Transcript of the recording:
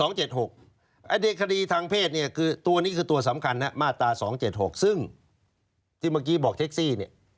ในคดีทางเพศตัวนี้คือตัวสำคัญมาตรา๒๗๖ซึ่งที่เมื่อกี้บอกเท็กซี่